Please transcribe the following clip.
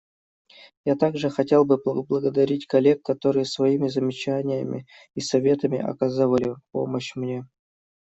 Я также хотел бы поблагодарить коллег, которые своими замечаниями и советами оказывали помощь мне.